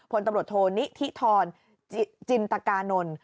พลตำรวจโทนิธิธรจินตกานนท์